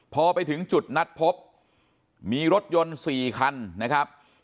พอไปถึงจุดนัดพบมีรถยนต์๔คันนะครับ